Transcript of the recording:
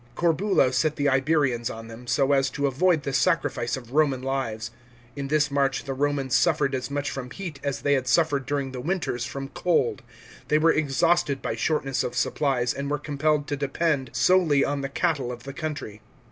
Corbulo set the Iberians on them, so as to avoid the sacrifice of Roman lives. In this march the Romans suffered as much from heat as they had suffered during the winters from cold. They were exhausted by shortness of supplies, and were compelled to depend solely on the cattle of the country.